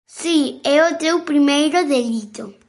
Si, é o teu primeiro delito.